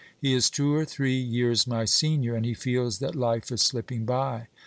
He is two or three years my senior, and he feels that life is slipping by.